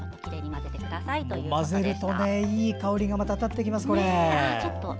混ぜると、いい香りがまた立ってきますね。